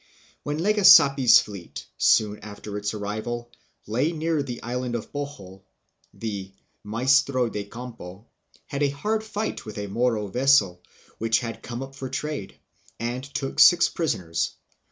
When Legazpi's fleet, soon after its arrival, lay near the island of Bohol, Captain Martin de Goiti had a hard fight with a Moro vessel which was cruising for trade, and took six prisoners.